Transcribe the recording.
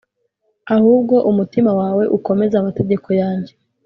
ahubwo umutima wawe ukomeze amategeko yanjye,